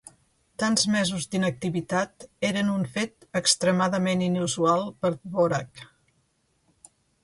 Tants mesos d'inactivitat eren un fet extremadament inusual per Dvořák.